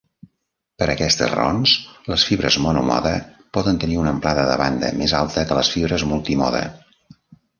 Per aquestes raons, les fibres monomode poden tenir una amplada de banda més alta que les fibres multimode.